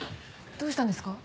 どうしたんですか？